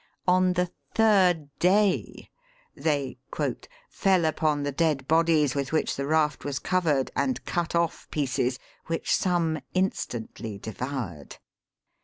On the third day, they " fell upon the dead bodies with which the raft was covered, and cut off pieces, which some instantly de voured.